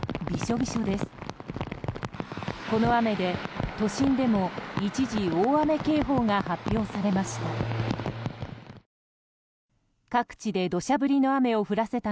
この雨で都心でも一時大雨警報が発表されました。